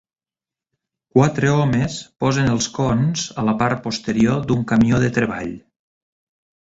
Quatre homes posen els cons a la part posterior d'un camió de treball